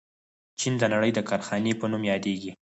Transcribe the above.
چین د نړۍ د کارخانې په نوم یادیږي.